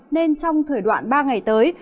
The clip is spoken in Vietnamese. nên trong thời đoạn ba ngày tới